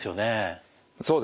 そうですね。